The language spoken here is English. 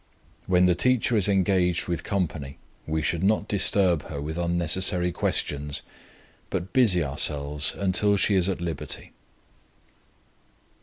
When the teacher is engaged with company, we should not disturb her with unnecessary questions, but busy ourselves until she is at liberty.